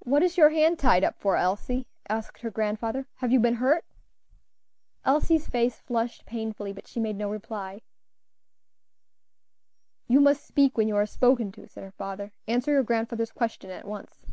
"What is your hand tied up for, Elsie?" asked her grandfather; "have you been hurt?" Elsie's face flushed painfully, but she made no reply. "You must speak when you are spoken to," said her father; "answer your grandfather's question at once."